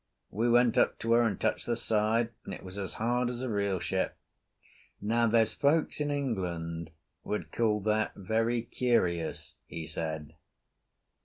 We went up to her and touched the side, and it was as hard as a real ship. "Now there's folks in England would call that very curious," he said.